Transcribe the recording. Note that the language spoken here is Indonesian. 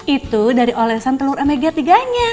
itu dari olesan telur amega tiga nya